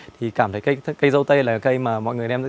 thì cảm thấy cây dâu tây là cây mà mọi người đem ra